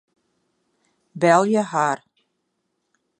Belje har.